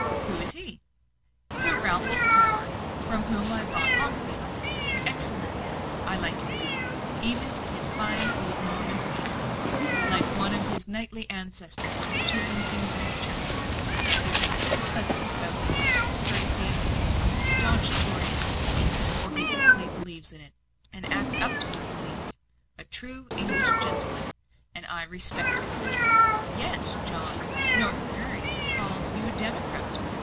"Who is he?" "Sir Ralph Oldtower, from whom I bought Longfield. An excellent man I like him even his fine old Norman face, like one of his knightly ancestors on the tomb in Kingswell church. There's something pleasant about his stiff courtesy and his staunch Toryism; for he fully believes in it, and acts up to his belief. A true English gentleman, and I respect him." "Yet, John, Norton Bury calls you a democrat."